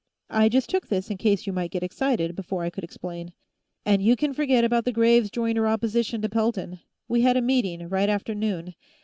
"I just took this in case you might get excited, before I could explain. And you can forget about the Graves Joyner opposition to Pelton. We had a meeting, right after noon.